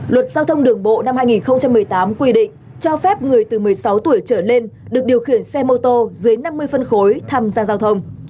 luật giao thông đường bộ năm hai nghìn một mươi tám quy định cho phép người từ một mươi sáu tuổi trở lên được điều khiển xe mô tô dưới năm mươi phân khối tham gia giao thông